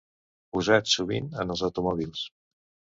Usats sovint en els automòbils.